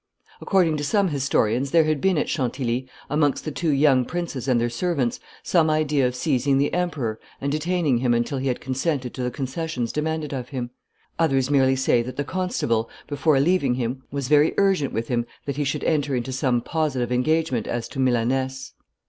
According to some historians there had been at Chantilly, amongst the two young princes and their servants, some idea of seizing the emperor and detaining him until he had consented to the concessions demanded of him; others merely say that the constable, before leaving him, was very urgent with him that he should enter into some positive engagement as to Milaness.